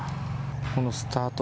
このスタート